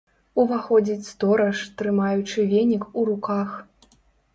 Уваходзіць стораж, трымаючы венік у руках.